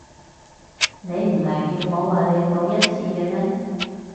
你唔係叫我為你賭一次嘅咩？